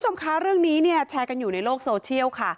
คุณผู้ชมคะเรื่องนี้เนี่ยแชร์กันอยู่ในโลกโซเชียลค่ะ